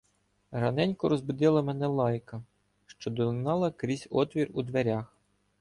Раненько розбудила мене лайка, що долинала крізь отвір у дверях.